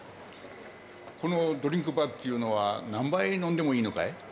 このドリンクバーっていうのは何杯飲んでもいいのかい？